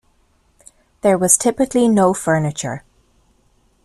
There was typically no furniture.